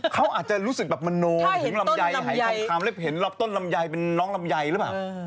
เขาอาจจะรู้สึกแบบมโนถึงลำไยหายทองคำแล้วเห็นลำต้นลำไยเป็นน้องลำไยหรือเปล่า